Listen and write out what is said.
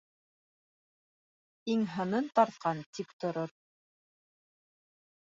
Иң-һынын тартҡан тик торор.